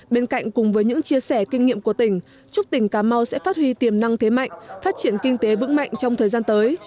bên cạnh cùng với những chia sẻ kinh nghiệm của tỉnh chúc tỉnh cà mau sẽ phát huy tiềm năng thế mạnh phát triển kinh tế vững mạnh trong thời gian tới